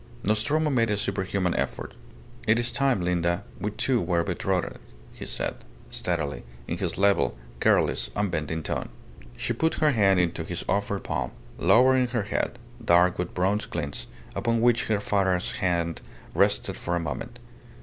Nostromo made a superhuman effort. "It is time, Linda, we two were betrothed," he said, steadily, in his level, careless, unbending tone. She put her hand into his offered palm, lowering her head, dark with bronze glints, upon which her father's hand rested for a moment.